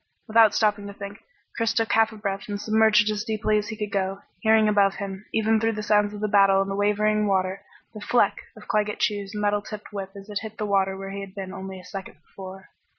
Without stopping to think Chris took half a breath and submerged as deeply as he could go, hearing above him, even through the sounds of the battle and the wavering water, the "fleck!" of Claggett Chew's metal tipped whip as it hit the water where he had been only a second before.